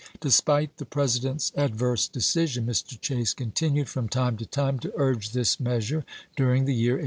Despite the President's adverse decision, Mr. Chase continued from time to time to urge this measure during the year 1863.